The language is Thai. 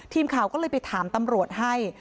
ทีมข่าวก็เลยไปถามตำรวจให้